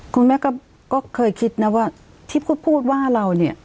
คุณแม่ก็เคยคิดนะว่าที่พูดพูดว่าเราเนี่ย